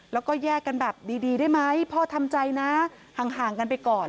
แล้วก็แยกกันแบบดีได้ไหมพ่อทำใจนะห่างกันไปก่อน